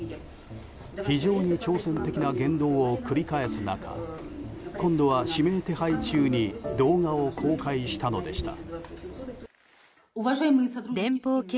非常に挑戦的な言動を繰り返す中今度は指名手配中に動画を公開したのでした。